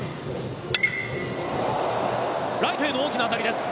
ライトへの大きな当たりです。